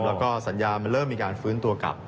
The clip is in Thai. แล้วก็สัญญามันเริ่มมีการฟื้นตัวกลับ